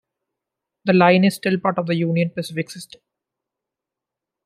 The line is still part of the Union Pacific system.